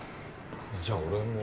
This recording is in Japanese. じゃあ俺も。